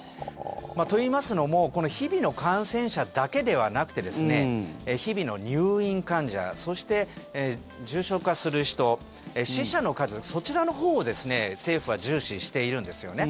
といいますのも日々の感染者だけではなくて日々の入院患者そして、重症化する人、死者の数そちらのほうを政府は重視しているんですよね。